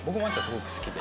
すごく好きで。